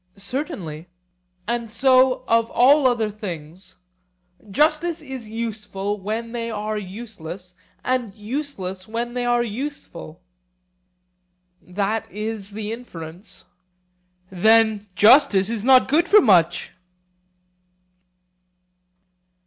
Certainly. And so of all other things;—justice is useful when they are useless, and useless when they are useful? That is the inference. Then justice is not good for much.